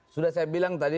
sudah saya bilang tadi